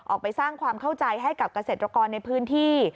ออกไปสร้างความเข้าใจให้กับเกษตรกรในพื้นที่